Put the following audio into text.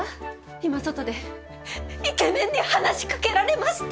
今外でイケメンに話しかけられました！